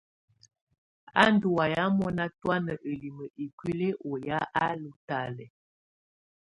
Á ndù waya mɔna tɔana ǝlimǝ ikuili ɔ ya á lù talɛ.